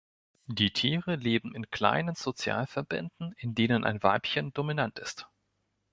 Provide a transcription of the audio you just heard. Die Tiere leben in kleinen Sozialverbänden, in denen ein Weibchen dominant ist.